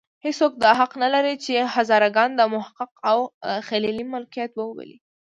هېڅوک دا حق نه لري چې هزاره ګان د محقق او خلیلي ملکیت وبولي.